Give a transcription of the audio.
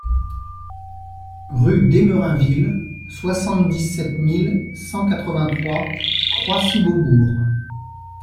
Rue d'Emerainville, soixante-dix-sept mille cent quatre-vingt-trois Croissy-Beaubourg